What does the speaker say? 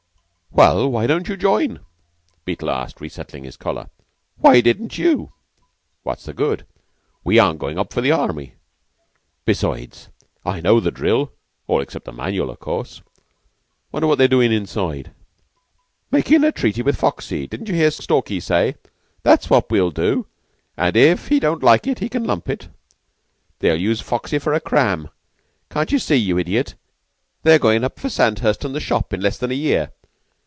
"Well, why don't you join?" Beetle asked, resettling his collar. "Why didn't you?" "What's the good? We aren't goin' up for the Army. Besides, I know the drill all except the manual, of course. 'Wonder what they're doin' inside?" "Makin' a treaty with Foxy. Didn't you hear Stalky say: 'That's what we'll do an' if he don't like it he can lump it'? They'll use Foxy for a cram. Can't you see, you idiot? They're goin' up for Sandhurst or the Shop in less than a year.